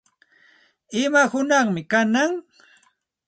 ¿Ima hunaqmi kanan?